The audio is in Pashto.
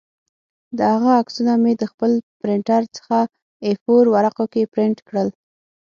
د هغه عکسونه مې د خپل پرنټر څخه اې فور ورقو کې پرنټ کړل